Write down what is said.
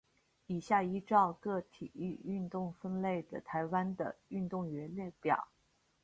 以下依照各体育运动分类的台湾的运动员列表。